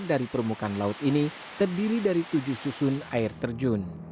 dari permukaan laut ini terdiri dari tujuh susun air terjun